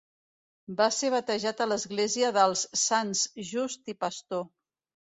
Va ser batejat a l'església dels Sants Just i Pastor.